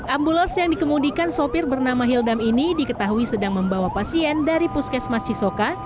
ambulans yang dikemudikan sopir bernama hildam ini diketahui sedang membawa pasien dari puskesmas cisoka